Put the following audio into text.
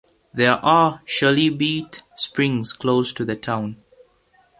There are chalybeate springs close to the town.